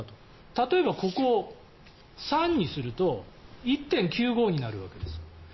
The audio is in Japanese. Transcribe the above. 例えば、ここを３にすると１．９５になるわけです。